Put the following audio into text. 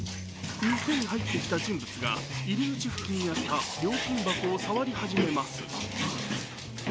店に入ってきた人物が、入り口付近にあった料金箱を触り始めます。